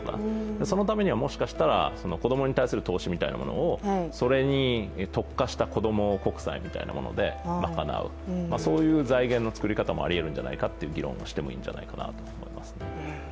そのためにはもしかしたら子供に対する投資みたいなものをそれに特化した子供国債みたいなもので賄うそういう財源の作り方もありえるんじゃないかという議論をしてもいいんじゃないかと思います。